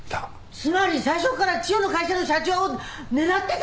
つまり最初から千代の会社の社長を狙ってたって事じゃないの！